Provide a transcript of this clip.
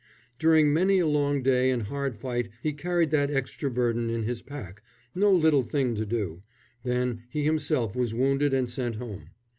During many a long day and hard fight he carried that extra burden in his pack no little thing to do then he himself was wounded and sent home.